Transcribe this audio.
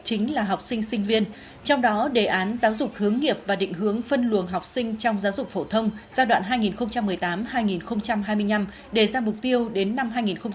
vì vậy việc định hướng phân luồng học sinh trong giáo dục phổ thông giai đoạn hai nghìn một mươi tám hai nghìn hai mươi năm để ra mục tiêu đến năm hai nghìn hai mươi năm